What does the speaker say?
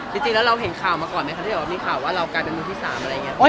จริงแล้วเราเห็นข่าวมาก่อนไหมคะที่แบบว่ามีข่าวว่าเรากลายเป็นมือที่๓อะไรอย่างนี้